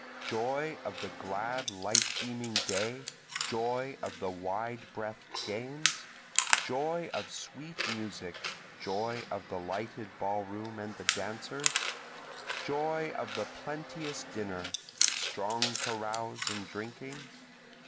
Joy of the glad light beaming day, joy of the wide breath'd games? Joy of sweet music, joy of the lighted ball room and the dancers? Joy of the plenteous dinner, strong carouse and drinking?